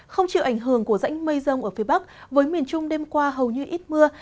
không chịu ảnh hưởng của rãnh mây rông ở phía bắc với miền trung đêm qua hầu như ít mưa